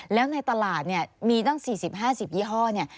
แล้วในตลาดนี่มีตั้ง๔๐๕๐ยี่ห้อ